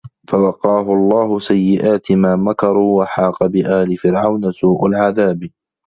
فَوَقاهُ اللَّهُ سَيِّئَاتِ ما مَكَروا وَحاقَ بِآلِ فِرعَونَ سوءُ العَذابِ